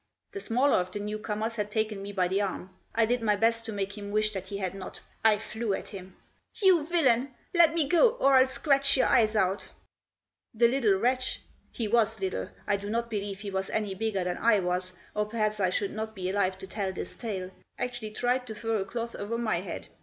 The smaller of the newcomers had taken me by the arm. I did my best to make him wish that he had not. I flew at him. " You villain ! Let me go, or Til scratch your eyes out 1 " The little wretch — he was little ; I do not believe he was any bigger than I was, or perhaps I should not be alive to tell this tale — actually tried to throw a cloth over my head.